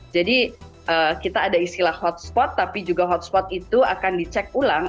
jadi kita ada istilah hotspot tapi juga hotspot itu akan dicek ulang